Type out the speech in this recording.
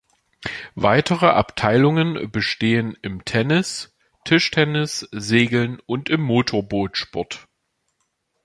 Weitere Abteilungen bestehen im Tennis, Tischtennis, Segeln und im Motorbootsport.